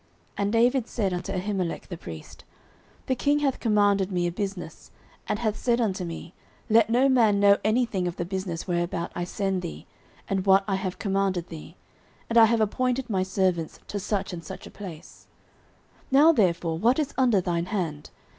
09:021:002 And David said unto Ahimelech the priest, The king hath commanded me a business, and hath said unto me, Let no man know any thing of the business whereabout I send thee, and what I have commanded thee: and I have appointed my servants to such and such a place. 09:021:003 Now therefore what is under thine hand?